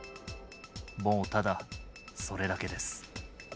もうただそれだけです。